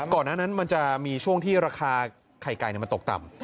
ก่อนหน้านั้นมันจะมีช่วงที่ราคาไข่ไก่มันตกต่ำ